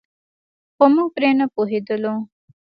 خو موږ پرې نه پوهېدلو.